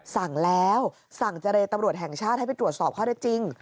สั่งแล้วสั่งเจรตำรวจแห่งชาติให้ไปตรวจสอบข้อได้จริง